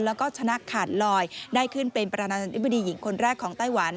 แล้วก็ชนะขาดลอยได้ขึ้นเป็นประธานาธิบดีหญิงคนแรกของไต้หวัน